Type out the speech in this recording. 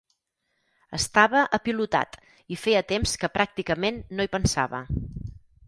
Estava apilotat, i feia temps que pràcticament no hi pensava.